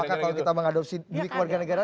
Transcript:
apakah kalau kita mengadopsi diri keluarga negara